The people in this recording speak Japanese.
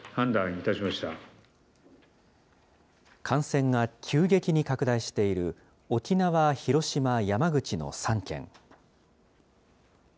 感染が急激に拡大している沖縄、広島、山口の３県。